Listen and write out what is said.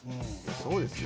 そうですよ